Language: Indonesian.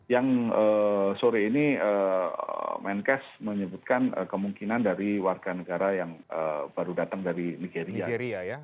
yang sore ini menkes menyebutkan kemungkinan dari warga negara yang baru datang dari nigeria